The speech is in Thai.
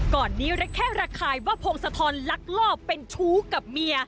ก่อนนี้ระแคะระคายว่าพงศธรลักลอบเป็นชู้กับเมีย